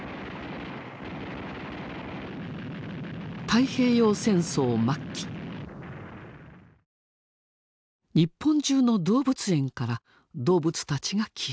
太平洋戦争末期日本中の動物園から動物たちが消えた。